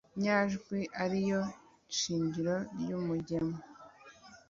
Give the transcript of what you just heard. inyajwi ari yo shingiro ry’umugemo.